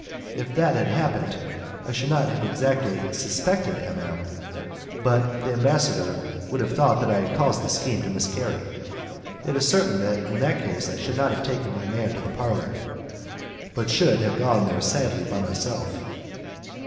If that had happened, I should not have exactly suspected M M , but the ambassador would have thought that I had caused the scheme to miscarry. It is certain that in that case I should not have taken my man to the parlour, but should have gone there sadly by myself.